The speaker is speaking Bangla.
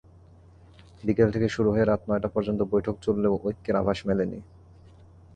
বিকেল থেকে শুরু হয়ে রাত নয়টা পর্যন্ত বৈঠক চললেও ঐক্যের আভাস মেলেনি।